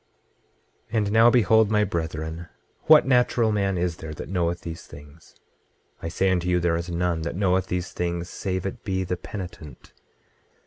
26:21 And now behold, my brethren, what natural man is there that knoweth these things? I say unto you, there is none that knoweth these things, save it be the penitent.